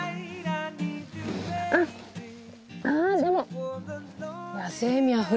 あっでも野性味あふれてる。